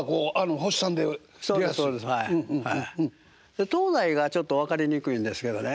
で東西がちょっと分かりにくいんですけどね